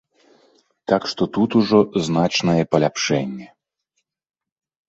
Так што тут ужо значнае паляпшэнне.